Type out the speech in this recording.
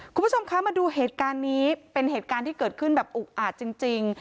คุณผู้ชมคะมาดูเหตุการณ์นี้เป็นเหตุการณ์ที่เกิดขึ้นแบบอุกอาจจริง